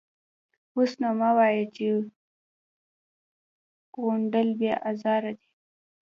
_اوس نو مه وايه چې غونډل بې ازاره دی.